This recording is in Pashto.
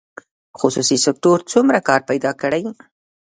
خصوصي سکتور څومره کار پیدا کړی؟